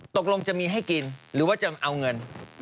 ตกลงจะมีให้กินหรือว่าจะเอาเงิน